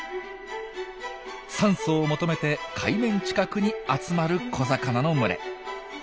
酸素を求めて海面近くに集まる小魚の群れ。